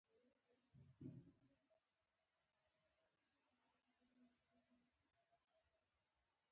آیا د پښتنو په کلتور کې د مشرانو دعا اخیستل نیکمرغي نه ده؟